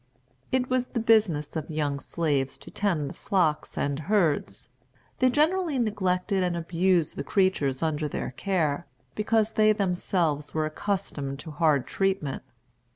It was the business of young slaves to tend the flocks and herds. They generally neglected and abused the creatures under their care, because they themselves were accustomed to hard treatment.